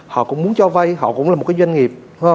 họ cũng muốn cho vay họ cũng là một cái doanh nghiệp